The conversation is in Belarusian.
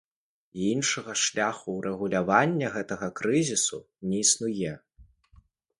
Іншага шляху ўрэгулявання гэтага крызісу не існуе.